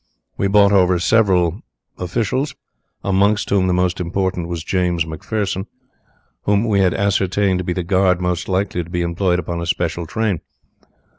We bought over several officials, amongst whom the most important was James McPherson, whom we had ascertained to be the guard most likely to be employed upon a special train.